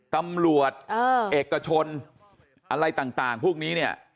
ตำรวจเอ่อเอกชนอะไรต่างต่างพวกนี้เนี่ย